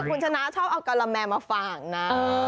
คุณชนะชอบเอากะละแมมาฝากนะ